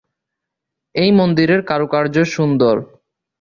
এই মন্দিরের কারুকার্য সুন্দর।